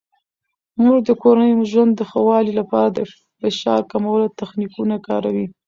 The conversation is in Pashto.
مور د کورني ژوند د ښه والي لپاره د فشار کمولو تخنیکونه کاروي.